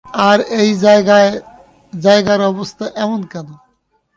আর এই জায়গার অবস্থা এমন কেন?